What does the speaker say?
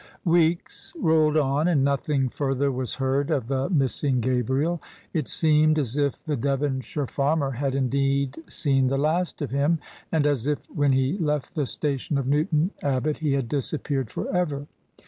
Weeks rolled on, and nothing further was heard of the missing Gabriel. It seemed as if the Devonshire farmer had indeed seen the last of him; and as if when he left the station of Newton Abbot he had disappeared for ever.